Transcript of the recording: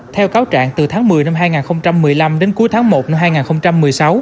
theo cáo trạng từ tháng một mươi năm hai nghìn một mươi năm đến cuối tháng một năm hai nghìn một mươi sáu